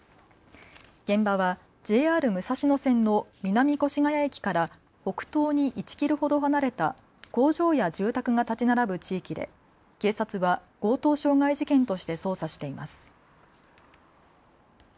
現場はＪＲ武蔵野線の南越谷駅から北東に１キロほど離れた工場や住宅が建ち並ぶ地域で警察は強盗傷害事件として捜査しています。